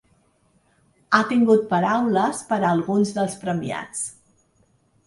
Ha tingut paraules per a alguns dels premiats.